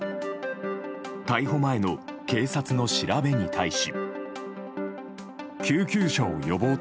逮捕前の警察の調べに対し。